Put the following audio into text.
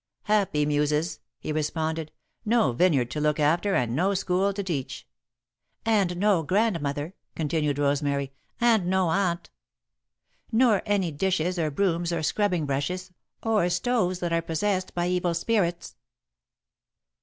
"Happy Muses," he responded. "No vineyard to look after and no school to teach." "And no Grandmother," continued Rosemary, "and no Aunt. Nor any dishes or brooms or scrubbing brushes, or stoves that are possessed by evil spirits."